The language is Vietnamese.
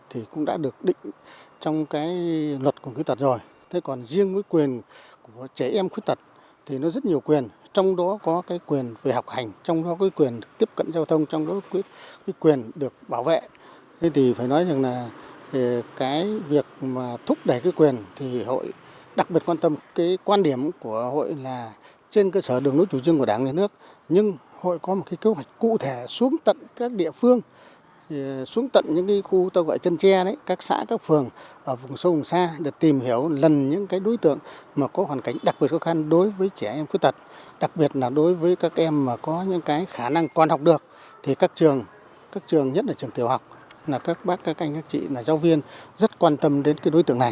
hội là trên cơ sở đường núi chủ trương của đảng nước nhưng hội có một kế hoạch cụ thể xuống tận các địa phương xuống tận những khu chân tre các xã các phường vùng sâu vùng xa để tìm hiểu lần những đối tượng có hoàn cảnh đặc biệt khó khăn đối với trẻ em khuyết tật đặc biệt là đối với các em có những khả năng còn học được thì các trường nhất là trường tiểu học các bác các anh các chị các giáo viên rất quan tâm đến đối tượng này